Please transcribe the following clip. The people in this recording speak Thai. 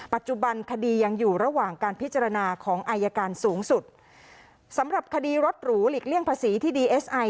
ปัจจุบันคดียังอยู่ระหว่างการพิจารณาของอายการสูงสุดสำหรับคดีรถหรูหลีกเลี่ยงภาษีที่ดีเอสไอ